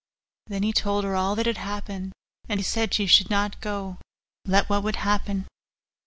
Then he told her all that had happened, and said she should not go, let what would happen.